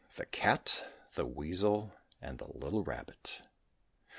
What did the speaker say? THE CAT, THE WEASEL, AND THE LITTLE RABBIT.